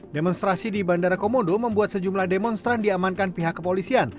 demonstrasi di bandara komodo membuat sejumlah demonstran diamankan pihak kepolisian